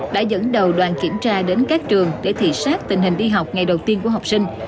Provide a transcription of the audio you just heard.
đã dẫn đầu đoàn kiểm tra đến các trường để thị xác tình hình đi học ngày đầu tiên của học sinh